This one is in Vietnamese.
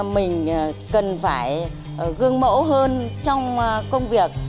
mình cần phải gương mẫu hơn trong công việc